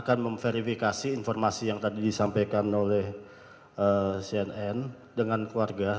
akan memverifikasi informasi yang tadi disampaikan oleh cnn dengan keluarga